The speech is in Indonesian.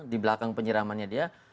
di belakang penyiramannya dia